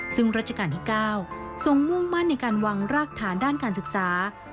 ซึ่งรัชกาลที่๙ทรงมุ่งมั่นในการวางรากฐานด้านการศึกษา